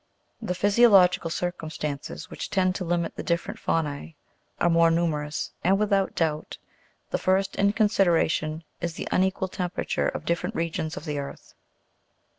The physiological circumstances which tend to limit the dif ferent faunae are more numerous ; and without doubt, the first iu consideration is the unequal temperature of different regions of the earth.